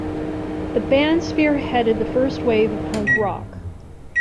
The band spearheaded the first wave of punk rock.